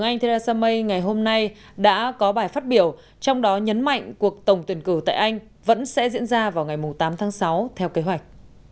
ông theresa may ngày hôm nay đã có bài phát biểu trong đó nhấn mạnh cuộc tổng tuyển cử tại anh vẫn sẽ diễn ra vào ngày tám tháng sáu theo kế hoạch